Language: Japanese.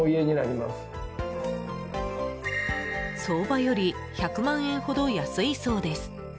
相場より１００万円ほど安いそうです。